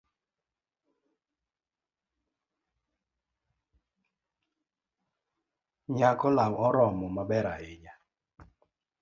Nyako lau oromo maber ahinya.